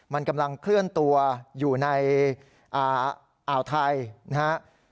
มันกำลังเคลื่อนตัวอยู่ในอ่าวไทยนะครับ